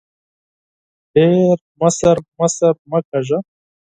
ډېر مشر مشر مه کېږه !